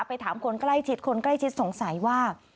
ไปถามคนใกล้ชิดคนใกล้ชิดสงสัยว่า